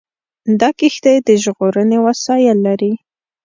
دا کښتۍ د ژغورنې وسایل لري.